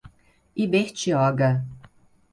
Ibertioga